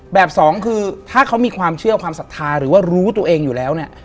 สองคือถ้าเขามีความเชื่อความศรัทธาหรือว่ารู้ตัวเองอยู่แล้วเนี่ย